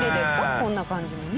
こんな感じにね。